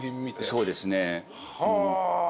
そうですね。はあ。